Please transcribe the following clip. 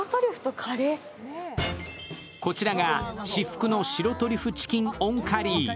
こちらが至福の白トリュフチキンＯＮカリー。